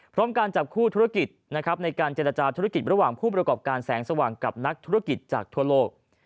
พร้อมการจับคู่ธุรกิจนะครับในการเจรจาธุรกิจระหว่างผู้ประกอบการแสงสว่างกับนักธุรกิจจากทั่วโลก